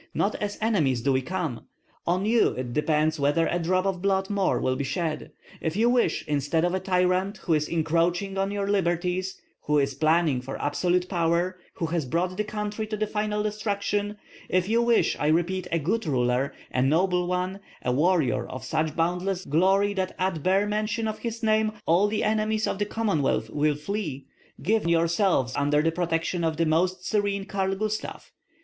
Not as enemies do we come. On you it depends whether a drop of blood more will be shed. If you wish instead of a tyrant who is encroaching on your liberties, who is planning for absolute power, who has brought the country to final destruction, if you wish, I repeat, a good ruler, a noble one, a warrior of such boundless glory that at bare mention of his name all the enemies of the Commonwealth will flee, give yourselves under the protection of the most serene Karl Gustav.